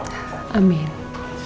terima kasih ya miss erina